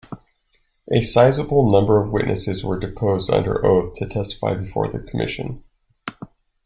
A sizeable number of witnesses were deposed under oath to testify before the Commission.